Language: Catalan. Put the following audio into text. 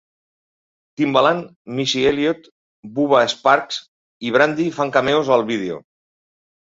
Timbaland, Missy Elliot, Buba Sparxxx i Brandy fan cameos al vídeo.